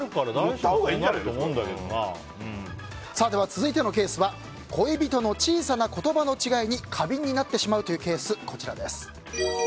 続いてのケースは恋人の小さな言葉の違いに過敏になってしまうというケースです。